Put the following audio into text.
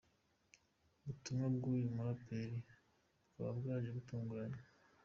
butumwa bwuyu muraperi bukaba bwaje butunguranye.